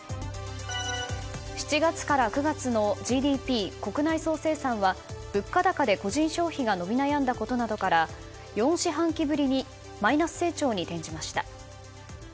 ７月から９月のＧＤＰ・国内総生産は物価高で個人消費が伸び悩んだことなどから４四半期ぶりにマイナス成長に転じました。